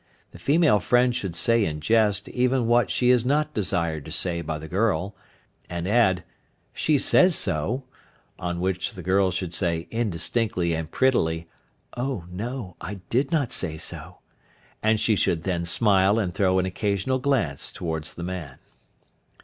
The female friend should say in jest even what she is not desired to say by the girl, and add, "she says so," on which the girl should say indistinctly and prettily, "O no! I did not say so," and she should then smile and throw an occasional glance towards the man.